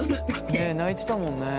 ねえ泣いてたもんね。